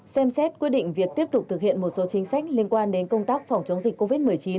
xem xét quyết định việc tiếp tục thực hiện một số chính sách liên quan đến công tác phòng chống dịch covid một mươi chín